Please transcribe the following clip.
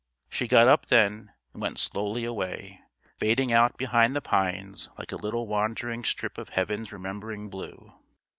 She got up then and went slowly away, fading out behind the pines like a little wandering strip of heaven's remembering blue.